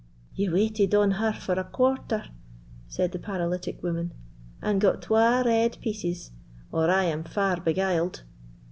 "Ye waited on her for a quarter," said the paralytic woman, "and got twa red pieces, or I am far beguiled?"